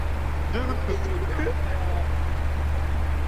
Anderson declined to press charges over the tire slashing incident.